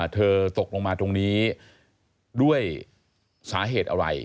ตกลงมาตรงนี้ด้วยสาเหตุอะไร